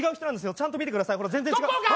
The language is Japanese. ちゃんと見てください。